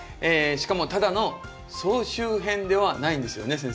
しかもただの総集編ではないんですよね？